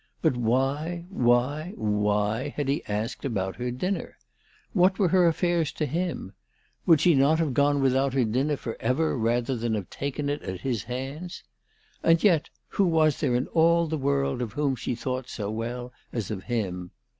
But why why why, had he asked about her dinner ? What were her affairs to him ? Would she not have gone without her dinner for ever rather than have taken it at his hands ? And yet, who was there in all the world of whom she thought so well as of him